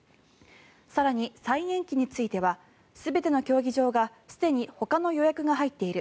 更に再延期については全ての競技場がすでにほかの予約が入っている。